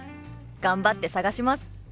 頑張って探します！